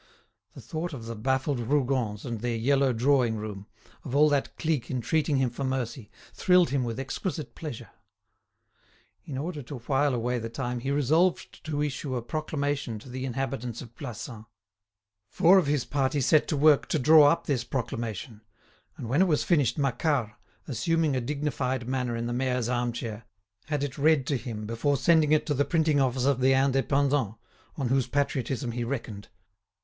The thought of the baffled Rougons and their yellow drawing room, of all that clique entreating him for mercy, thrilled him with exquisite pleasure. In order to while away the time he resolved to issue a proclamation to the inhabitants of Plassans. Four of his party set to work to draw up this proclamation, and when it was finished Macquart, assuming a dignified manner in the mayor's arm chair, had it read to him before sending it to the printing office of the "Indépendant," on whose patriotism he reckoned.